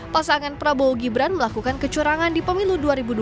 pasangan prabowo gibran melakukan kecurangan di pemilu dua ribu dua puluh